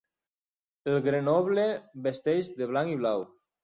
El Grenoble vesteix de blanc i blau.